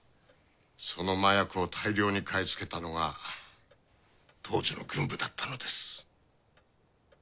その麻薬を大量に買い付けたのが当時の軍部だったのです。